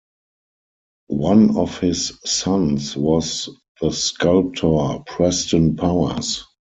One of his sons was the sculptor Preston Powers.